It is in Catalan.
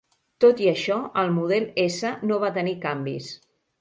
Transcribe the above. Tot i això, el model S no va tenir canvis.